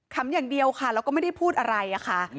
อย่างเดียวค่ะแล้วก็ไม่ได้พูดอะไรอะค่ะ